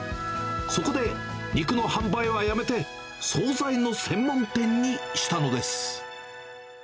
そこで、肉の販売はやめて、総菜の専門店にしたのです。